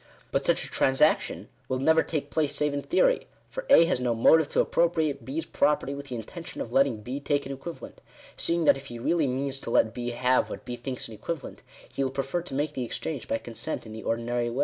But such a transaction will never take place save in theory ; for A has no motive to appropriate B's property with the intention of letting B take an equivalent : seeing that if he really means to let B have what B thinks an equivalent, he will prefer to make the exchange by consent in the ordinary way.